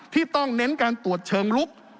ที่ต้องเน้นการตรวจเชิงลุก